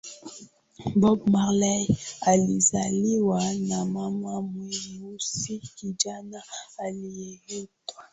Bob Marley alizaliwa na mama mweusi kijana aliyeitwa